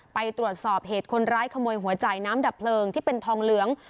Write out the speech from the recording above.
ไปตรวจสอบเหตุคนร้ายขโมยหัวจ่ายน้ำดับเพลิงที่เป็นทองเหลือง